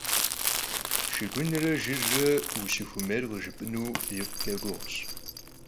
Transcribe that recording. Şşıgunre jjırre vuşıxuemêyr khıjjıp'enu yikhuç'e guğuş.